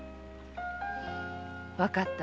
わかった。